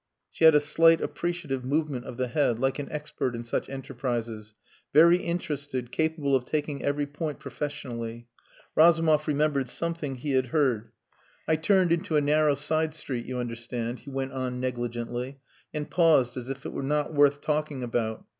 She had a slight appreciative movement of the head, like an expert in such enterprises, very interested, capable of taking every point professionally. Razumov remembered something he had heard. "I turned into a narrow side street, you understand," he went on negligently, and paused as if it were not worth talking about.